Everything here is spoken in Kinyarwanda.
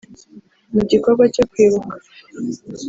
Mu gikorwa cyo kwibuka